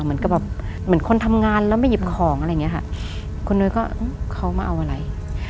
เหมือนกับแบบเหมือนคนทำงานแล้วไม่หยิบของอะไรอย่างเงี้ค่ะคุณนุ้ยก็เขามาเอาอะไร